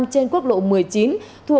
trên quốc lộ một mươi chín